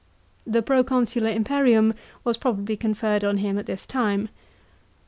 The proconsular imperiu n was probably conferred on him at this time.